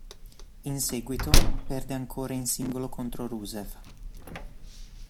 In seguito, perde ancora in singolo contro Rusev.